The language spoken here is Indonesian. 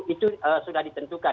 itu sudah ditentukan